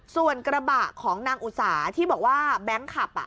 ส่วนกระบะของนางอุสาที่บอกว่าแบงค์ขับ